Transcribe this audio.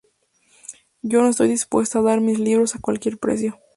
Yo no estoy dispuesta a dar mis libros a cualquier precio.